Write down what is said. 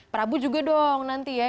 prabu juga dong nanti ya